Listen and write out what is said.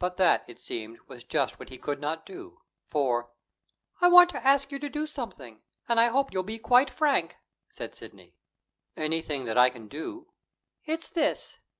But that, it seemed, was just what he could not do. For: "I want to ask you to do something, and I hope you'll be quite frank," said Sidney. "Anything that I can do " "It's this.